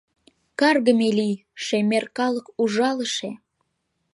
Каргыме лий, шемер калык ужалыше!